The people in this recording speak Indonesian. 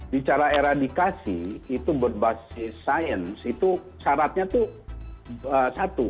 bicara eradikasi itu berbasis sains itu syaratnya itu satu